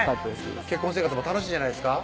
結婚生活も楽しいんじゃないですか？